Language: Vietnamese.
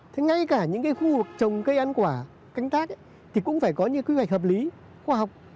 thế ngay cả những cái khu vực trồng cây ăn quả canh tác thì cũng phải có những quy hoạch hợp lý khoa học